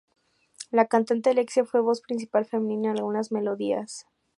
La cantante Alexia fue voz principal femenina en algunas melodías.